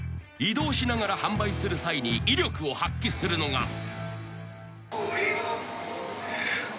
［移動しながら販売する際に威力を発揮するのが］